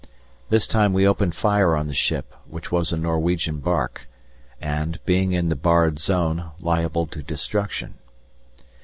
This time we opened fire on the ship, which was a Norwegian barque and, being in the barred zone, liable to destruction.